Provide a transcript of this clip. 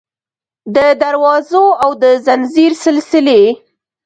د دروازو او د ځنځیر سلسلې